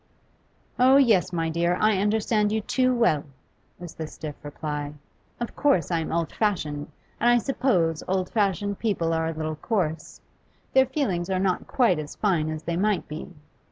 'Oh yes, my dear, I understand you too well,' was the stiff reply. 'Of course I am old fashioned, and I suppose old fashioned people are a little coarse; their feelings are not quite as fine as they might be.